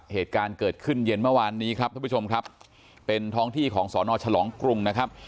เหตุการณ์เกิดขึ้นเย็นเมื่อวานนี้ทั้งที่ของสนฉลองกรุง